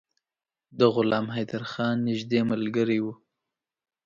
د غلام حیدرخان نیژدې ملګری وو.